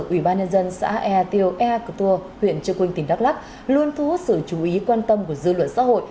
ủy ban nhân dân xã e tiêu e cơ tua huyện trường quynh tỉnh đắk lắk luôn thu hút sự chú ý quan tâm của dư luận xã hội